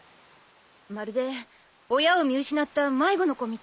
まるで親を見失った迷子の子みたい。